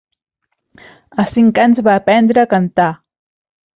A cinc anys va aprendre a cantar